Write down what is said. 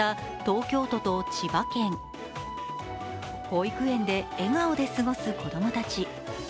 保育園で笑顔で過ごす子供たち。